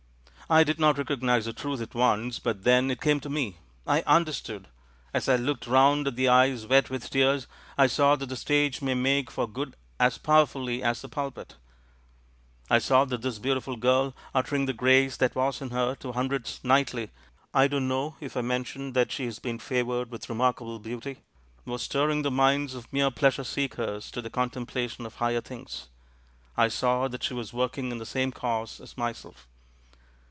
"I did not recognize the truth at once ; but then it came to me — I understood ! As I looked round at the eyes wet with tears, I saw that the stage may make, for good as powerfully as the pulpit ; I saw that this beautiful girl, uttering the grace that was in her to hundreds nightly — I don't know if I mentioned that she has been favoured with remarkable beauty — was stirring the minds of mere pleasure seekers to the contemplation of higher things ; I saw that she was working in the same Cause as myself."